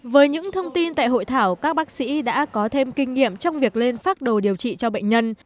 với những thông tin tại hội thảo các bác sĩ đã có thêm kinh nghiệm trong việc lên phác đồ điều trị cho bệnh nhân